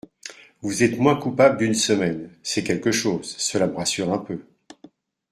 Vous êtes moins coupable d'une semaine ; c'est quelque chose ; cela me rassure un peu.